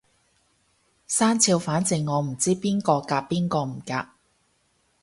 生肖反正我唔知邊個夾邊個唔夾